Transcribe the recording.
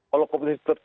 kalau kompetisi terjadi